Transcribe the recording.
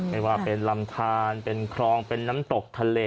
ไม่ว่าเป็นลำทานเป็นคลองเป็นน้ำตกทะเล